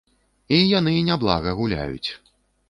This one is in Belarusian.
І яны няблага гуляюць!